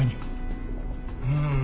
うん。